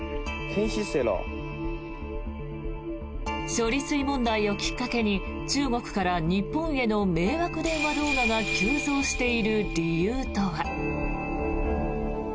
処理水問題をきっかけに中国から日本への迷惑電話動画が急増している理由とは。